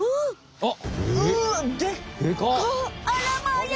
あっ！